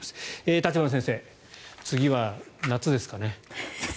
立花先生、次は夏ですかね。